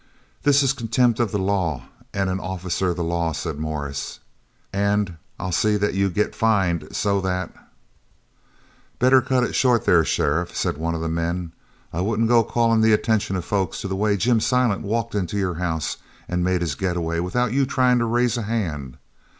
"This is contempt of the law and an officer of the law," said Morris. "An" I'll see that you get fined so that " "Better cut it short there, sheriff," said one of the men. "I wouldn't go callin' the attention of folks to the way Jim Silent walked into your own house an' made his getaway without you tryin' to raise a hand.